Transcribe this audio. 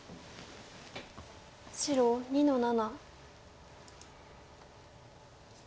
白２の七。